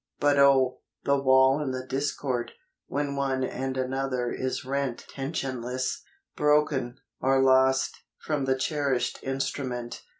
But O, the wail and the discord, when one and another is rent Tensionless, broken, or lost, from the cherished in¬ strument.